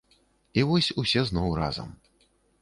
І вось усе зноў разам.